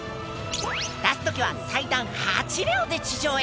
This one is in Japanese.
出す時は最短８秒で地上へ。